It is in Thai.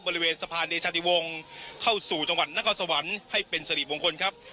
บริเวณสะพานเดชาติวงศ์เข้าสู่จังหวัดนครสวรรค์ให้เป็นสริมงคลครับ